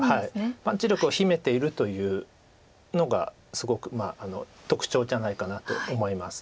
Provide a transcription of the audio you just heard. パンチ力を秘めているというのがすごく特徴じゃないかなと思います。